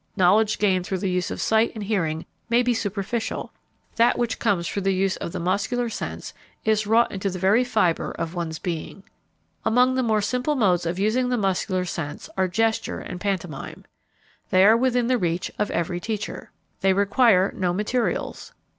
Knowledge gained through the use of sight and hearing may be superficial; that which comes through the use of the muscular sense is wrought into the very fiber of one's being. Among the more simple modes of using the muscular sense are gesture and pantomime. They are within the reach of every teacher. They require no materials.